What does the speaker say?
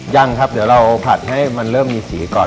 ยังครับเดี๋ยวเราผัดให้มันเริ่มมีสีก่อน